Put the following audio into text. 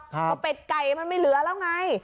เพราะเป็ดไก่มันไม่เหลือแล้วไง